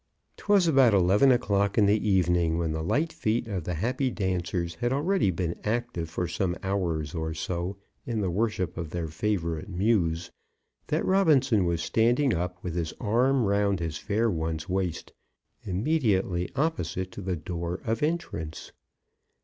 'Twas about eleven o'clock in the evening, when the light feet of the happy dancers had already been active for some hour or so in the worship of their favourite muse, that Robinson was standing up with his arm round his fair one's waist, immediately opposite to the door of entrance.